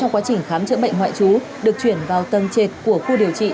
trong quá trình khám chữa bệnh ngoại trú được chuyển vào tầng trệt của khu điều trị